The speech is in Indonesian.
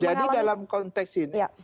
jadi dalam konteks ini